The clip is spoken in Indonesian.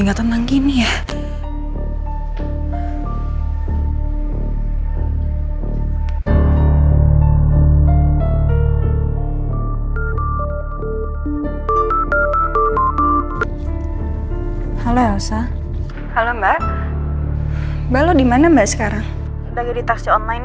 gua nggak boleh